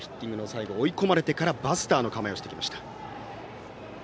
最後、追い込まれてからバスターの構えをしてきました。